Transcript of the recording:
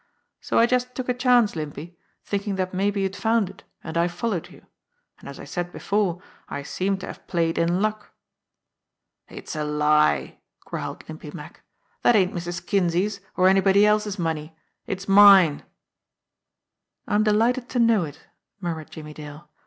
So I just took a chance, Limpy, thinking that maybe you'd found it, and I followed you. And as I saio before, I seem to have played in luck." "It's a lie!" growled Limpy Mack. "That ain't Mrs. Kinsey's, or anybody else's money. It's mine." "I'm delighted to know it," murmured Jimmie Dale.